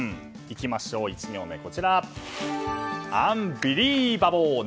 いきましょう１行目アンビリバボー！